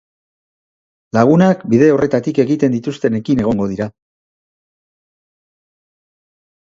Lagunak bide horretatik egiten dituztenekin egongo dira.